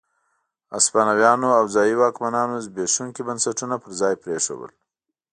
هسپانويانو او ځايي واکمنانو زبېښونکي بنسټونه پر ځای پرېښودل.